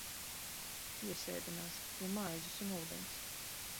Iesēdinās pie maizes un ūdens.